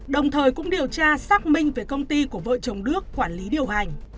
đồng thời cũng điều tra xác minh về công ty của vợ chồng đức quản lý điều hành